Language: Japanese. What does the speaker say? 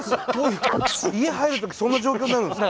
家入る時そんな状況になるんですか？